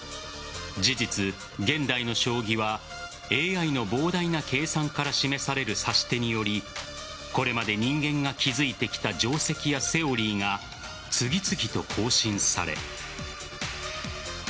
事実、現代の将棋はＡＩの膨大な計算から示される指し手によりこれまで人間が築いてきた定跡やセオリーが次々と更新され。